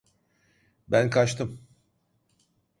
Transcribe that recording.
Ben kaçtım.